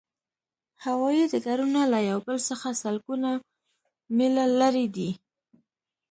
هوایی ډګرونه له یو بل څخه سلګونه میله لرې دي